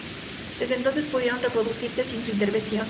Desde entonces pudieron reproducirse sin su intervención.